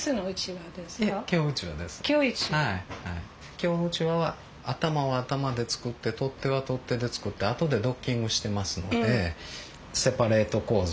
京うちわは頭は頭で作って取っ手は取っ手で作って後でドッキングしてますのでセパレート構造。